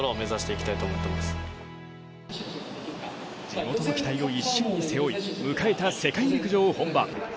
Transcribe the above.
地元の期待を一身に背負い迎えた世界陸上本番。